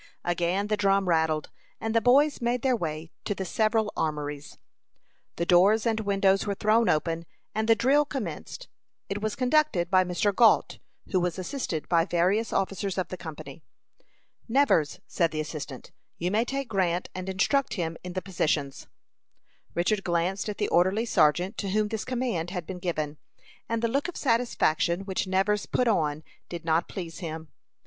Again the drum rattled, and the boys made their way to the several armories. The doors and windows were thrown open, and the drill commenced. It was conducted by Mr. Gault, who was assisted by various officers of the company. "Nevers," said the assistant, "you may take Grant and instruct him in the positions." Richard glanced at the orderly sergeant to whom this command had been given, and the look of satisfaction which Nevers put on did not please him.